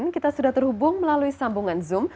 kita sudah terhubung melalui sambungan zoom